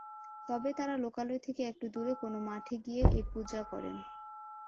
তবে তারা লোকালয় থেকে একটু দূরে কোনো মাঠে গিয়ে এই পূজা করেন।